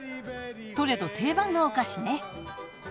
トレド定番のお菓子ね。